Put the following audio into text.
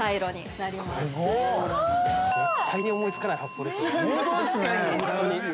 ◆めっちゃいい。◆絶対に思いつかない発想ですね。